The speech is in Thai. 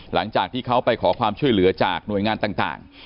หลังจากที่เขาไปขอความช่วยเหลือจากหน่วยงานต่าง